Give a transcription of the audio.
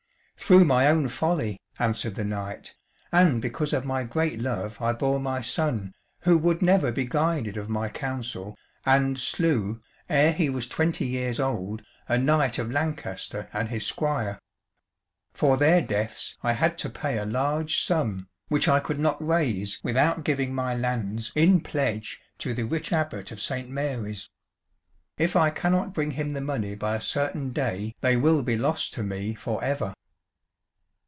"Through my own folly," answered the knight, "and because of my great love I bore my son, who would never be guided of my counsel, and slew, ere he was twenty years old, a knight of Lancaster and his squire. For their deaths I had to pay a large sum, which I could not raise without giving my lands in pledge to the rich Abbot of St. Mary's. If I cannot bring him the money by a certain day they will be lost to me for ever."